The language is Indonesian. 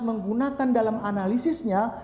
menggunakan dalam analisisnya